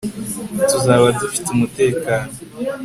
tuzaba dufite umutekano